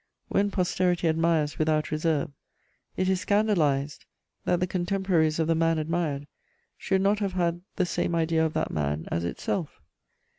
When posterity admires without reserve, it is scandalized that the contemporaries of the man admired should not have had the same idea of that man as itself.